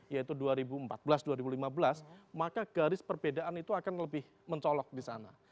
yaitu dua ribu empat belas dua ribu lima belas maka garis perbedaan itu akan lebih mencolok di sana